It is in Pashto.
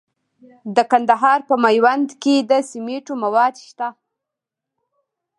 د کندهار په میوند کې د سمنټو مواد شته.